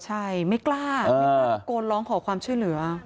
ใช่ไม่กล้าไม่กล้าตะโกนร้องขอความช่วยเหลือ